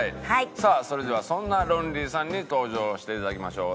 さあそれではそんなロンリーさんに登場していただきましょう。